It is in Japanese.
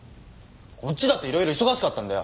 こっちだって色々忙しかったんだよ。